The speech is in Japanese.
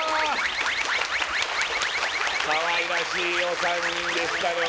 かわいらしいお三人でしたね